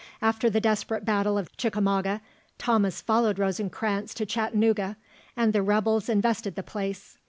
After the desperate battle of Chicamauga, Thomas followed Rosencranz to Chattanooga, and the rebels invested the place.